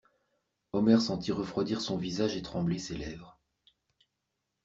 Omer sentit refroidir son visage et trembler ses lèvres.